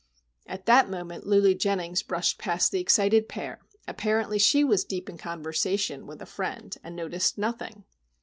At that moment Lulu Jennings brushed past the excited pair. Apparently she was deep in conversation with a friend, and noticed nothing.